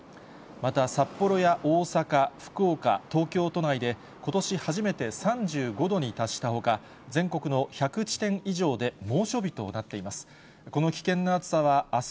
また札幌や大阪、福岡、東京都内で、ことし初めて３５度に達したほか、全国の１００地点以上で猛暑日となっています。